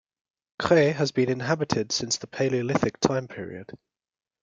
Cres has been inhabited since the Paleolithic time period.